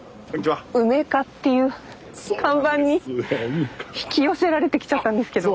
うめ課っていう看板に引き寄せられてきちゃったんですけど。